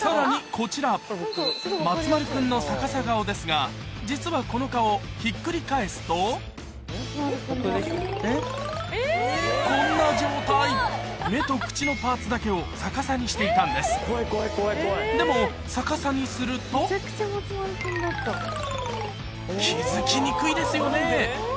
こちら松丸君の逆さ顔ですが実はこの顔ひっくり返すとこんな状態目と口のパーツだけを逆さにしていたんですでも逆さにすると気付きにくいですよね